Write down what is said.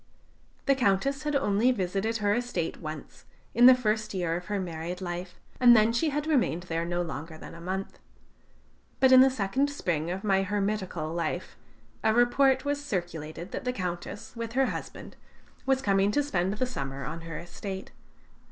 The Countess had only visited her estate once, in the first year of her married life, and then she had remained there no longer than a month. But in the second spring of my hermitical life a report was circulated that the Countess, with her husband, was coming to spend the summer on her estate.